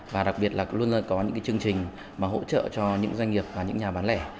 và đặc biệt là luôn luôn có những chương trình mà hỗ trợ cho những doanh nghiệp và những nhà bán lẻ